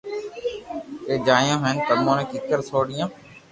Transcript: ڪيئي جايو ھون تمو ني ڪيڪر سوڙيو